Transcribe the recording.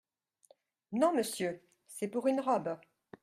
Non, Monsieur ! c’est pour une robe.